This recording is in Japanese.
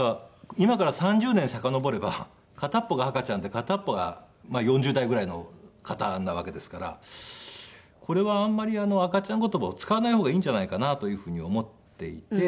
今から３０年遡れば片っぽが赤ちゃんで片っぽが４０代ぐらいの方なわけですからこれはあんまり赤ちゃん言葉を使わない方がいいんじゃないかなというふうに思っていて。